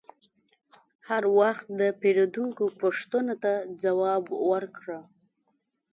هر وخت د پیرودونکي پوښتنو ته ځواب ورکړه.